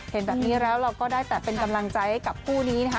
เห็นแบบนี้แล้วเราก็ได้แต่เป็นกำลังใจให้กับคู่นี้นะคะ